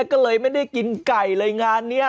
ก็เลยไม่ได้กินไก่เลยงานนี้